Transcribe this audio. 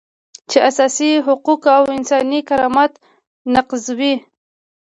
چې اساسي حقوق او انساني کرامت نقضوي.